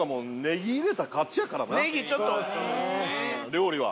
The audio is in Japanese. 料理は。